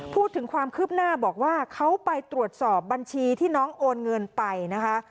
พูดถึงความคืบหน้าบอกว่าเขาไปตรวจสอบบัญชีที่น้องโอนเงินไปนะคะ